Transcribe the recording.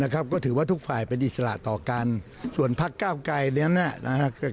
ก็ถือว่าทุกฝ่ายเป็นอิสระต่อกันส่วนพักเก้าไกรนั้น